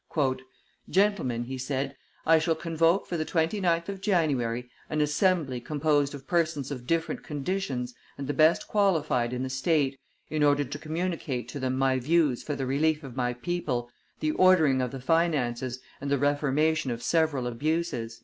"Gentlemen," he said, "I shall convoke for the 29th of January an assembly composed of persons of different conditions and the best qualified in the state, in order to communicate to them my views for the relief of my people, the ordering of the finances, and the reformation of several abuses."